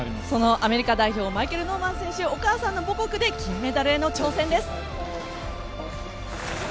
アメリカ代表マイケル・ノーマン選手お母さんの母国で金メダルへの挑戦です！